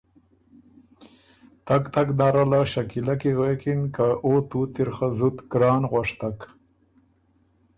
تګ تګ نره له شکیلۀ کی غوېکِن که ” او توت اِر خه زُت ګران غؤشتک“